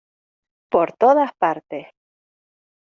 por todas partes.